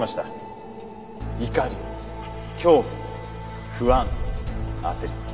怒り恐怖不安焦り。